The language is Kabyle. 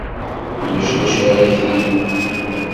Ulac d acu ara ak-iniɣ.